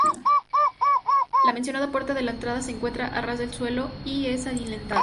La mencionada puerta de entrada se encuentra a ras de suelo y es adintelada.